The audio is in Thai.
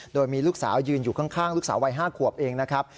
โดยมีลูกสาวยืนอยู่ข้างลูกสาววัย๕ขวบเองนะครับ